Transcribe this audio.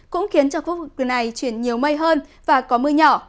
cũng khiến cho khu vực này chuyển nhiều mây hơn và có mưa nhỏ